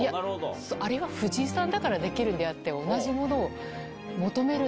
藤井さんだからできるんであって同じものを求めるな！